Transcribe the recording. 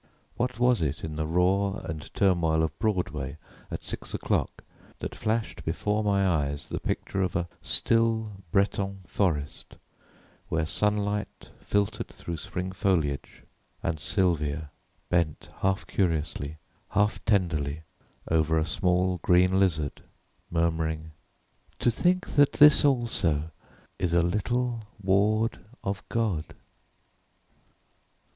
What was it in the roar and turmoil of Broadway at six o'clock that flashed before my eyes the picture of a still Breton forest where sunlight filtered through spring foliage and Sylvia bent, half curiously, half tenderly, over a small green lizard, murmuring: "To think that this also is a little ward of God!"